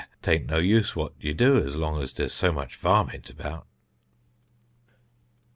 'taint no use what ye do as long as there's so much varmint about."